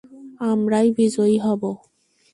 আমরাই বিজয়ী হব।